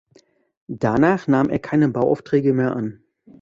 Danach nahm er keine Bauaufträge mehr an.